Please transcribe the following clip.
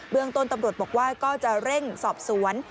ต้นตำรวจบอกว่าก็จะเร่งสอบสวน